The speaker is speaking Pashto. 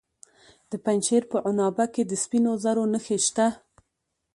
د پنجشیر په عنابه کې د سپینو زرو نښې شته.